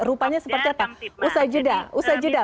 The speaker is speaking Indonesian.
rupanya seperti apa usai jeda usai jeda